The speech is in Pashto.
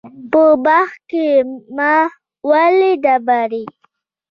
په باغ کې مه وله ډبري